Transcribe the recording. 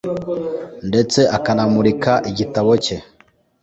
ndetse akanamurika igitabo cye